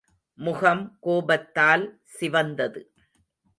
முகம் கோபத்தால் சிவந்தது.